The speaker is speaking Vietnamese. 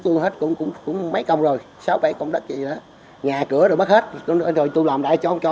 chui hết cung cung mấy con rồi xáu bodus vậy đó ngà cửa rồi mất hết rồi tu làm video chỉ